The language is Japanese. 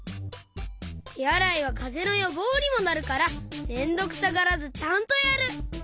てあらいはかぜのよぼうにもなるからめんどくさがらずちゃんとやる！